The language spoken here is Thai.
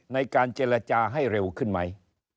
ในการเจรจาให้เร็วขึ้นไหม